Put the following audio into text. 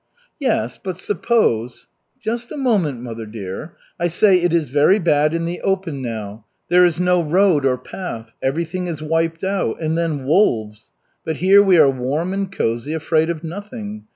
"Yes, but suppose " "Just a moment, mother dear. I say, it is very bad in the open now. There is no road or path. Everything is wiped out. And then wolves! But here we are warm and cozy, afraid of nothing.